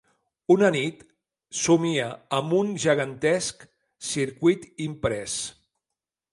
Una nit, somia amb un gegantesc circuit imprès.